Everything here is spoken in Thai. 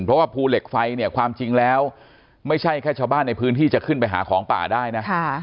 เพราะว่าภูเหล็กไฟเนี่ยความจริงแล้วไม่ใช่แค่ชาวบ้านในพื้นที่จะขึ้นไปหาของป่าได้นะ